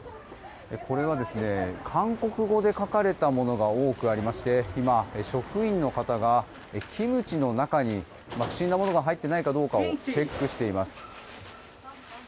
これは、韓国語で書かれたものが多くありまして今、職員の方がキムチの中に不審なものが入っていないかどうかをチェックしています。